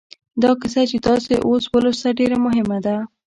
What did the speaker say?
دا کیسه چې تاسې اوس ولوسته ډېره مهمه ده